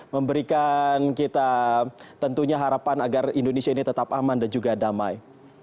memberikan kita tentunya harapan agar indonesia ini tetap aman dan juga damai